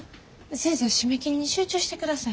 先生は締め切りに集中してください。